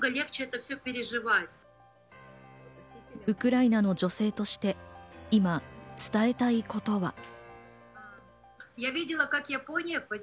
ウクライナの女性として今、伝えたいことは。